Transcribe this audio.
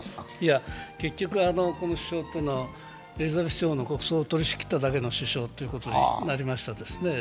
結局、この首相というのはエリザベス女王の国葬を取り仕切っただけの首相ということになりました。